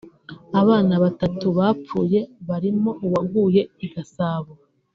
Abana batatu bapfuye barimo uwaguye i Gasabo